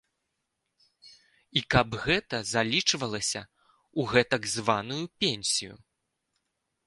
І каб гэта залічвалася ў гэтак званую пенсію.